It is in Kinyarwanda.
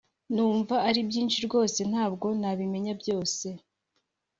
Numva ari byinshi rwose ntabwo nabimenya byose